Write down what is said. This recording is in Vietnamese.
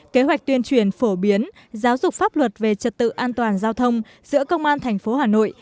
kế hoạch tuyên truyền phổ biến giáo dục pháp luật về trật tự an toàn giao thông giữa công an tp hà nội